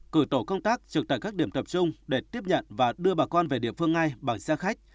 cử tổ công tác trực tại các điểm tập trung để tiếp nhận và đưa bà con về địa phương ngay bằng xe khách